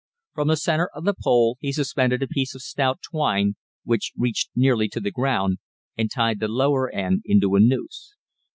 From the centre of the pole he suspended a piece of stout twine, which reached nearly to the ground, and tied the lower end into a noose.